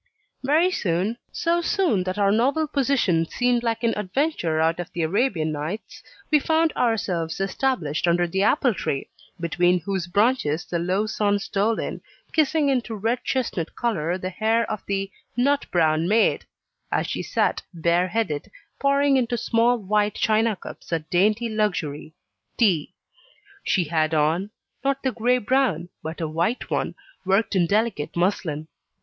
Very soon so soon that our novel position seemed like an adventure out of the Arabian Nights we found ourselves established under the apple tree, between whose branches the low sun stole in, kissing into red chestnut colour the hair of the "nut browne mayde," as she sat, bareheaded, pouring into small white china cups that dainty luxury, tea. She had on not the grey gown, but a white one, worked in delicate muslin.